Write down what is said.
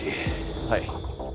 はい。